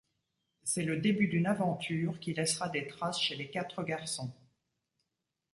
C'est le début d'une aventure qui laissera des traces chez les quatre garçons.